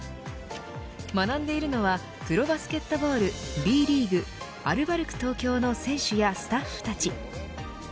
学んでいるのはプロバスケットボールＢリーグ、アルバルク東京の選手やスタッフたち。